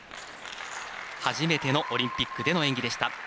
初めてのオリンピックでの演技でした。